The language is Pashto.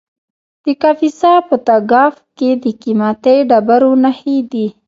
د کاپیسا په تګاب کې د قیمتي ډبرو نښې دي.